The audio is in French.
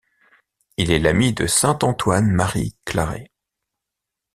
Il est l'ami de saint Antoine-Marie Claret.